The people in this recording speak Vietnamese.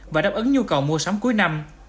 và đáp ứng nhu cầu mua sắm cuối năm